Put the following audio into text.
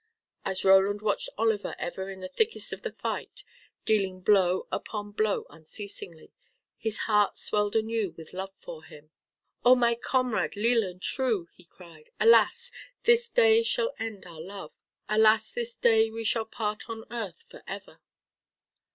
As Roland watched Oliver ever in the thickest of the fight, dealing blow upon blow unceasingly, his heart swelled anew with love for him. "Oh, my comrade leal and true," he cried, "alas! this day shall end our love. Alas! this day we shall part on earth for ever."